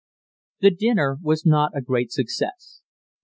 The dinner was not a great success.